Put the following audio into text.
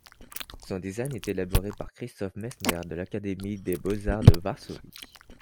Son design est élaboré par Krzysztof Maissner de l'Académie des beaux-arts de Varsovie.